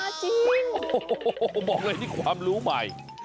โอ้โฮบอกเลยที่ความรู้ใหม่